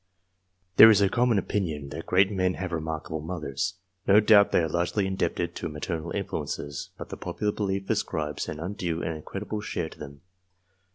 There is a common opinion that great men have re markable mothers. No doubt they are largely indebted to maternal influences, but the popular belief ascribes an undue and incredible share to them.